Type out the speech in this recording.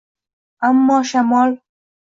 - Ammo, shamol...